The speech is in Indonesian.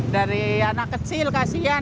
dari anak kecil kasian